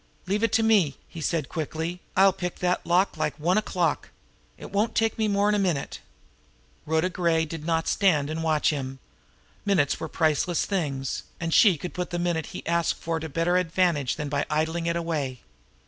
"Leave it to me!" he said quickly. "I'll pick that lock like one o'clock! It won't take me more'n a minute." Rhoda Gray did not stand and watch him. Minutes were priceless things, and she could put the minute he asked for to better advantage than by idling it away.